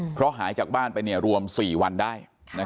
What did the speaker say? เพราะหายจากบ้านไปรวม๔วันได้